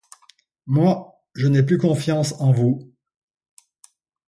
Moi, je n’ai plus confiance en vous.